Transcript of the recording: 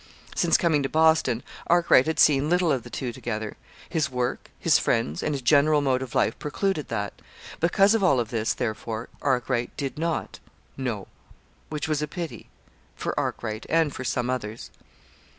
Since coming to Boston, Arkwright had seen little of the two together. His work, his friends, and his general mode of life precluded that. Because of all this, therefore, Arkwright did not know; which was a pity for Arkwright, and for some others.